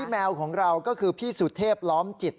พี่แมวของเราก็คือพี่สุทธิบล้อมจิต